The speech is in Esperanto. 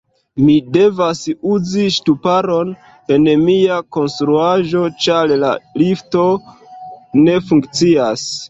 Mi devas uzi ŝtuparon en mia konstruaĵo ĉar la lifto ne funkcias